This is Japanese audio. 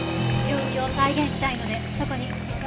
状況を再現したいのでそこに。